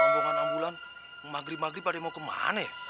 ngomongan ambulan magri magri pada mau kemana ya